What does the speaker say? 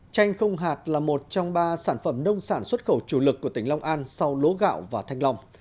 chanh không hạt là một trong ba sản phẩm nông sản xuất khẩu chủ lực của tỉnh long an sau lúa gạo và thanh long